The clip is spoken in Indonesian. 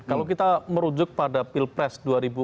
kalau kita merujuk pada pilpres dua ribu empat belas